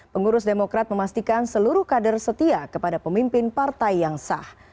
pengurus demokrat memastikan seluruh kader setia kepada pemimpin partai yang sah